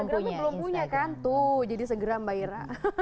programnya belum punya kan tuh jadi segera mbak ira